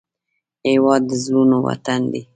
هېواد د زړورو وطن دی